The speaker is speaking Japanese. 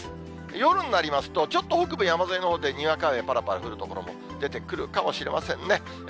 夜になりますと、ちょっと北部山沿いのほうでにわか雨ぱらぱら降る所も出てくるかもしれませんね。